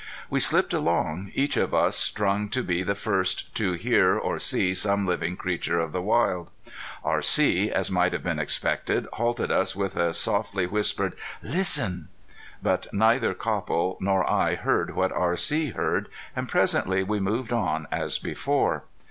We slipped along, each of us strung to be the first to hear or see some living creature of the wild. R.C., as might have been expected, halted us with a softly whispered: "Listen." But neither Copple nor I heard what R.C. heard, and presently we moved on as before.